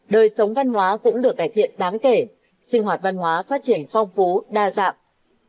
đời sống văn hóa cũng được cải thiện đáng kể sinh hoạt văn hóa phát triển phong phú đa dạng